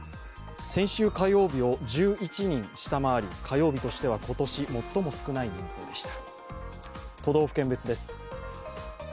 先週火曜日を１１人下回り、火曜日としては今年最も少ない数でした。